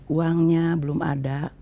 uangnya belum ada